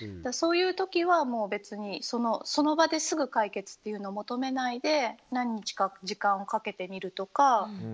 そういう時はその場ですぐ解決というのを求めないで何日か時間をかけてみるとか。